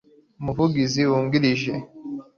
Umuvugizi Wungirije